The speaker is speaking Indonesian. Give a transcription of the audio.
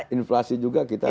inflasi juga kita di bawah